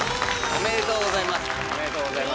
おめでとうございます。